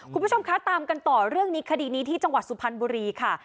คุณผู้ชมคะตามกันต่อเรื่องนี้คดีนี้ที่จังหวัดสุพรรณบุรีค่ะ